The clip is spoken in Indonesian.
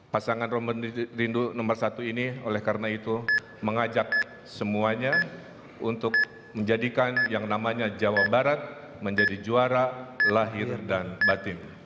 pasangan rindu nomor satu ini oleh karena itu mengajak semuanya untuk menjadikan yang namanya jawa barat menjadi juara lahir dan batin